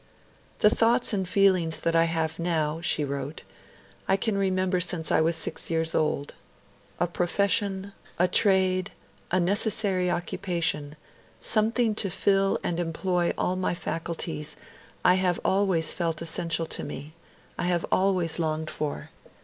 'The thoughts and feelings that I have now,' she wrote, 'I can remember since I was six years old. A profession, a trade, a necessary occupation, something to fill and employ all my faculties, I have always felt essential to me, I have always longed for.